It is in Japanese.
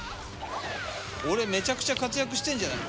俺めちゃくちゃ活躍してんじゃないの？